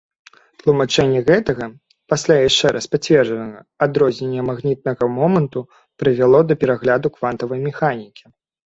Тлумачэнне гэтага, пасля яшчэ раз пацверджанага, адрознення магнітнага моманту прывяло да перагляду квантавай механікі.